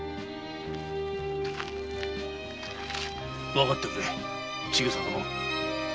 わかってくれ千草殿。